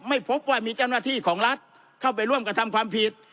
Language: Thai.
ไม่พบว่ามีเจ้าหน้าที่ของรัฐเข้าไปร่วมกระทำความผิด